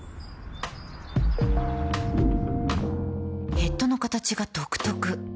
ヘッドの形が独特